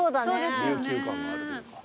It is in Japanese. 琉球感があるというか。